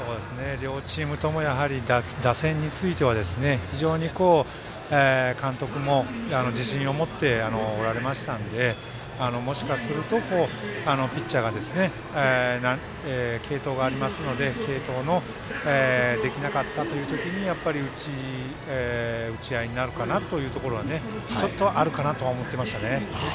両チームともやはり、打線については非常に監督も自信を持っておられましたのでもしかすると、ピッチャーが継投がありますので継投のできなかったという時にやっぱり打ち合いになるかなというところはちょっとはあるかな？とは思ってましたね。